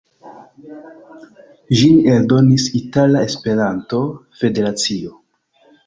Ĝin eldonis Itala Esperanto-Federacio.